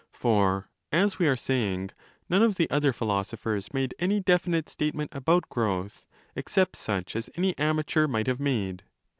For, as we are saying, none of the other philo sophers made any definite statement about growth, except such as any amateur might have made.